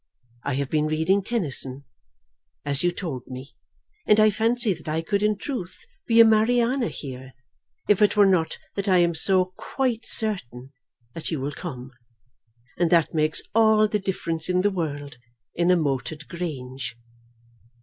I have been reading Tennyson, as you told me, and I fancy that I could in truth be a Mariana here, if it were not that I am so quite certain that you will come; and that makes all the difference in the world in a moated grange.